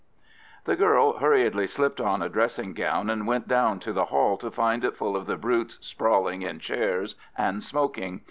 The girl hurriedly slipped on a dressing gown, and went down to the hall to find it full of the brutes sprawling in chairs and smoking.